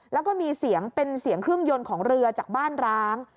แล้วก็มีเสียงเป็นเสียงเครื่องยนต์ของเรือจากบ้านร้าง